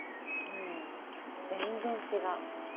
うん全然違う。